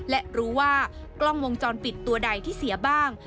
และรู้ว่ากล้องวงจรปิดตัวใดที่เสียบ้าง